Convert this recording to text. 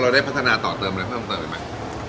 เราได้พัฒนาต่อเติมอะไรก็เพิ่มต่อไปไหม